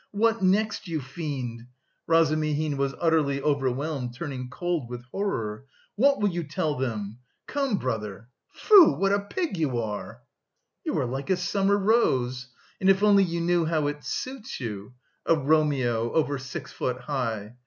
What next, you fiend!" Razumihin was utterly overwhelmed, turning cold with horror. "What will you tell them? Come, brother... foo! what a pig you are!" "You are like a summer rose. And if only you knew how it suits you; a Romeo over six foot high!